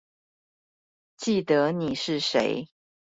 記得你是誰